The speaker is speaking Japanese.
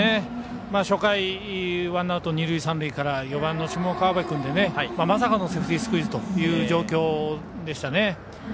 初回にワンアウト、二塁三塁から４番の下川邊君で、まさかのセーフティースクイズという状況でしたね。